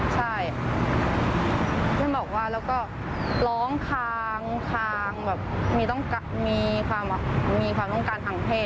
ใช่ท่านบอกว่าแล้วก็ร้องคางคางแบบมีความต้องการทางเพศ